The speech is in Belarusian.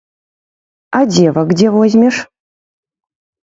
А дзевак дзе возьмеш?